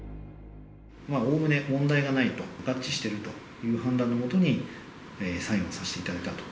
おおむね問題がないと、合致してるという判断の下に、サインをさせていただいたと。